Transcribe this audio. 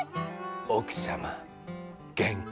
おくさまげんき？